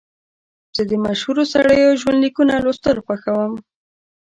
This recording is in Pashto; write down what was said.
زه د مشهورو سړیو ژوند لیکونه لوستل خوښوم.